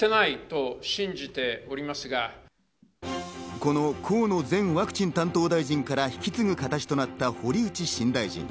この河野前ワクチン担当大臣から引き継ぐ形となった堀内新大臣。